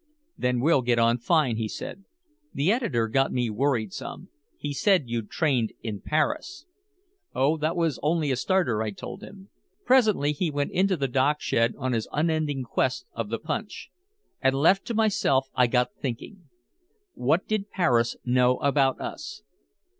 "Then we'll get on fine," he said. "The editor got me worried some. He said you'd trained in Paris." "Oh, that was only a starter," I told him. Presently he went into the dockshed on his unending quest of "the punch." And left to myself I got thinking. What did Paris know about us?